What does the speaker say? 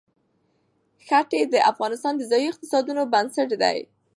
ښتې د افغانستان د ځایي اقتصادونو بنسټ دی.